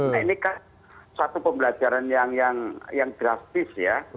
nah ini kan suatu pembelajaran yang drastis ya